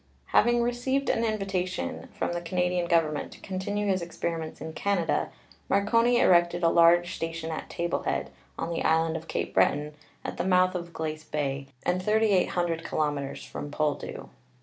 Having received an invitation from the Canadian Gov ernment to continue his experiments in Canada, Marconi erected a large station at Table Head, on the island of Cape Breton, at the mouth of Glace Bay, and 3,800 kilo meters from Poldhu.